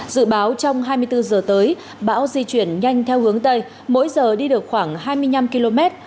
dự báo trong hai mươi bốn giờ tới bão di chuyển nhanh theo hướng tây mỗi giờ đi được khoảng hai mươi năm km